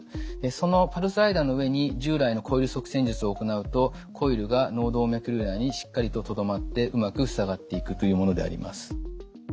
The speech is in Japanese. そのパルスライダーの上に従来のコイル塞栓術を行うとコイルが脳動脈瘤内にしっかりととどまってうまく塞がっていくというものであります。